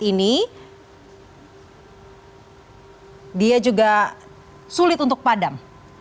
ini dia juga sulit untuk padam